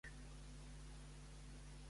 A quina altra ciutat espanyola va viure?